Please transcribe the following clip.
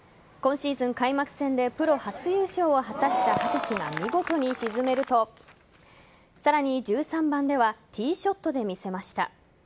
今シーズン開幕戦でプロ初優勝を果たした二十歳が見事に沈めるとさらに１３番ではティーショットで見せました。